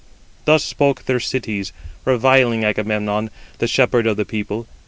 Thus spoke Thersites, reviling Agamemnon, the shepherd of the people.